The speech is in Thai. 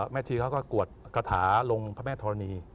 ชีเขาก็กวดกระถาลงพระแม่ธรณี